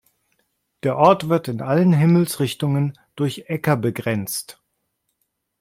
Der Ort wird in allen Himmelsrichtungen durch Äcker begrenzt.